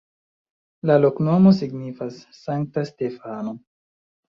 La loknomo signifas: Sankta Stefano.